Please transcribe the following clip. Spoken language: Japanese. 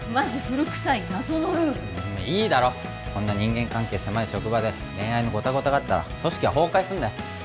古くさい謎のルールいいだろこんな人間関係狭い職場で恋愛のゴタゴタがあったら組織は崩壊すんだよ